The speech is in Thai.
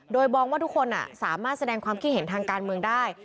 โดยมองว่าทุกคนสามารถแสดงความคิดเห็นทางการเมืองได้